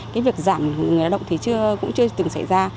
cái việc giảm người lao động thì cũng chưa từng xảy ra